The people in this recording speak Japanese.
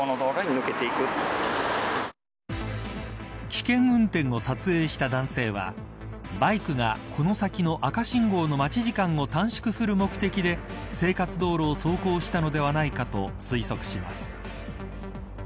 危険運転を撮影した男性はバイクが、この先の赤信号の待ち時間を短縮する目的で生活道路を走行したのではないかと推測します。